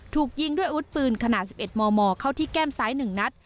ถูกยิงด้วยอาวุธปืนขนาด๑๑มมเข้าที่แก้มซ้าย๑นัด